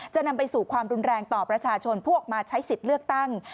จะนำไปสู่ความรุนแรงต่อประชาชนพวกมาใช้สิทธิ์เลือกตั้ง